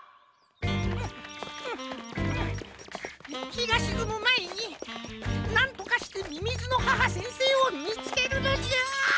ひがしずむまえになんとかしてみみずの母先生をみつけるのじゃ！